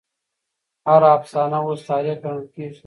هر افسانه اوس تاريخ ګڼل کېږي.